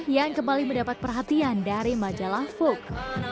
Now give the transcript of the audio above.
yang kembali mendapat perhatian dari majalah vogue